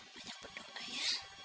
banyak berdoa ya